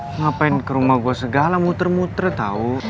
ngapain ke rumah gue segala muter muter tau